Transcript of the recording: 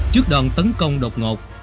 trước đòn tấn công đột ngột